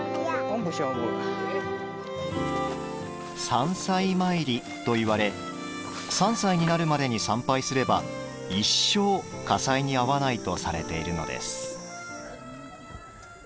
「三歳詣り」と言われ３歳になるまでに参拝すれば一生、火災に遭わないとされているのです。